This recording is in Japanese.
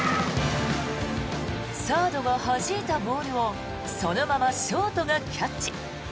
サードがはじいたボールをそのままショートがキャッチ。